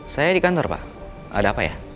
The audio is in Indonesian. saya di kantor pak ada apa ya